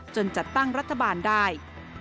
จัดตั้งรัฐบาลได้